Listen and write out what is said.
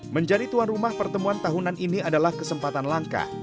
menjadi tuan rumah pertemuan tahunan ini adalah kesempatan langka